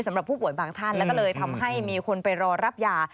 สำหรับผู้ป่วยบางท่านแล้วก็เลยทำให้มีคนไปรอรับยา